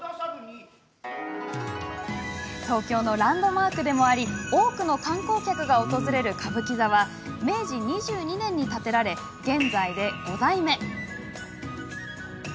東京のランドマークでもあり多くの観光客が訪れる歌舞伎座ですが明治２２年に建てられ現在で五代目。